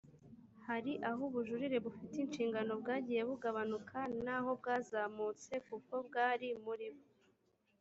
hari aho ubujurire bufite ishingiro bwagiye bugabanuka n aho bwazamutse kuko bwari muri bo